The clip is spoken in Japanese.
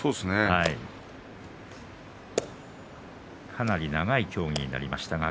かなり長い協議になりました。